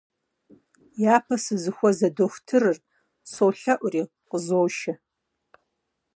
Япэ сызыхуэзэ дохутырыр, солъэӀури, къызошэ.